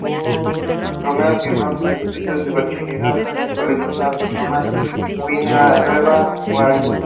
Romero terminó sus estudios de bachillerato en el colegio Santo Tomás de Villanueva, Guajira.